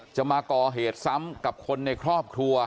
จะมาก่อเหตุซ้ำกับคนในครอบครัว